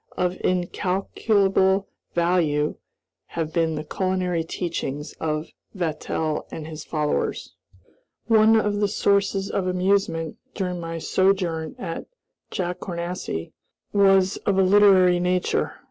Of incalculable value have been the culinary teachings of Vatel and his followers. One of the sources of amusement, during my sojourn at Jacournassy, was of a literary nature.